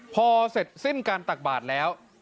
พอเสร็จสิ้นการตักบาทแล้ว